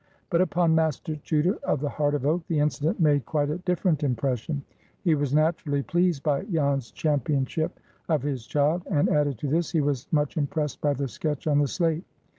But upon Master Chuter, of the Heart of Oak, the incident made quite a different impression. He was naturally pleased by Jan's championship of his child, and, added to this, he was much impressed by the sketch on the slate.